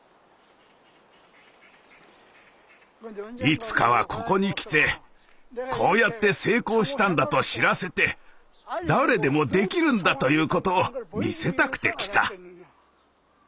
いつかはここに来てこうやって成功したんだと知らせて誰でもできるんだということを見せたくて来た。